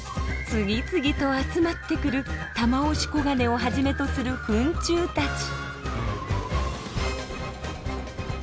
次々と集まってくるタマオシコガネをはじめとするフン虫たち。